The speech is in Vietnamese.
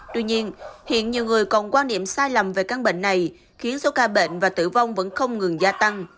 tuy nhiên hiện nhiều người còn quan niệm sai lầm về căn bệnh này khiến số ca bệnh và tử vong vẫn không ngừng gia tăng